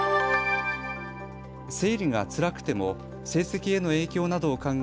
生理がつらくても成績への影響などを考え